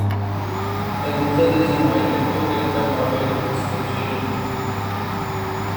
A user is invited to rate a moderator's decision.